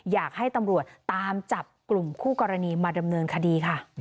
อยากให้ตำรวจตามจับกลุ่มคู่กรณีมาดำเนินคดีค่ะ